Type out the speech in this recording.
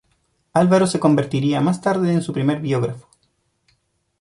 Álvaro se convertiría más tarde en su primer biógrafo.